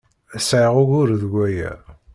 Sɛiɣ ugur deg waya.